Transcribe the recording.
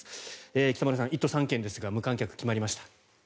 北村さん、１都３県ですが無観客、決まりました。